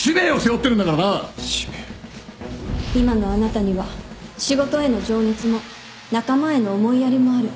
今のあなたには仕事への情熱も仲間への思いやりもある